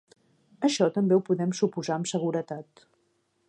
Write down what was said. Això també ho podem suposar amb seguretat.